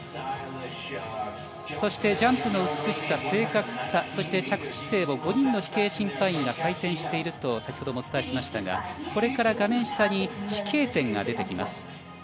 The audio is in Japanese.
そしてジャンプの美しさ、正確さ着地姿勢を５人の飛型審判員が採点していると先ほどもお伝えしましたがこれから画面下に飛型点が出てきます。